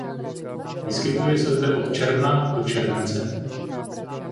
Vyskytuje se zde od června do července.